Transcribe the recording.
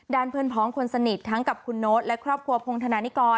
เพื่อนพ้องคนสนิททั้งกับคุณโน๊ตและครอบครัวพงธนานิกร